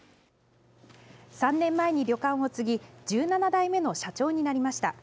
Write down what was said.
３年前に旅館を継ぎ１７代目の社長になりました。